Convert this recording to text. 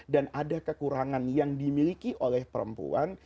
ada kekurangan yang dimiliki oleh perempuan